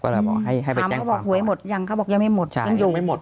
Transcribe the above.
ก็เลยบอกให้ไปแจ้งความความความความถามเขาบอกหัวให้หมดยังเขาบอกยังไม่หมด